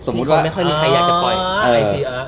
ไม่ค่อยมีใครอยากจะปล่อย